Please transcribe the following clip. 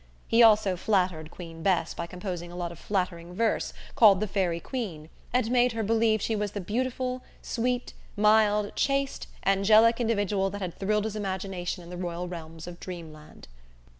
He also flattered Queen Bess by composing a lot of flattering verse, called the "Faerie Queen," and made her believe she was the beautiful, sweet, mild, chaste, angelic individual that had thrilled his imagination in the royal realms of dreamland.